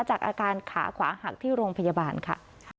จากอาการขาขวาหักที่โรงพยาบาลค่ะ